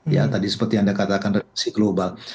ya tadi seperti anda katakan reaksi global